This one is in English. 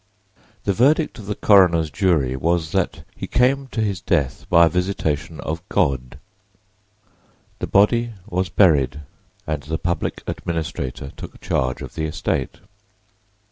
The verdict of the coroner's jury was that he "came to his death by a visitation of God." The body was buried and the public administrator took charge of the estate.